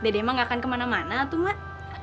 dede emang gak akan kemana mana tuh mak